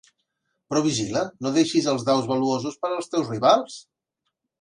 Però vigila, no deixis els daus valuosos per als teus rivals!